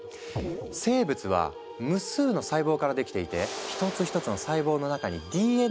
生物は無数の細胞からできていて１つ１つの細胞の中にＤＮＡが入っているの。